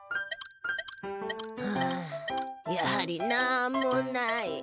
はあやはりなんもない。